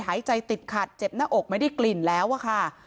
หายใจติดขัดเจ็บหน้าอกไม่ได้กลิ่นแล้วอะค่ะ